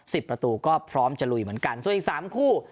ประตูก็พร้อมจะลุยเหมือนกันส่วนอีกสามคู่